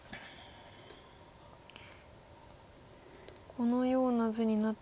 このような図になったら。